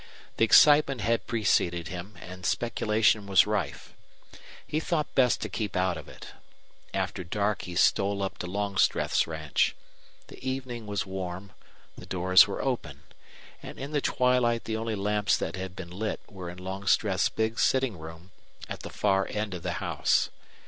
The excitement had preceded him, and speculation was rife. He thought best to keep out of it. After dark he stole up to Longstreth's ranch. The evening was warm; the doors were open; and in the twilight the only lamps that had been lit were in Longstreth's big sitting room, at the far end of the house.